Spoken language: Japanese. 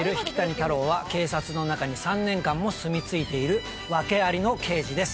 太郎は警察の中に３年間も住み着いている訳ありの刑事です。